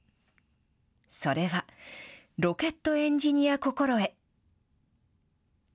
それは、ロケットエンジニア心得。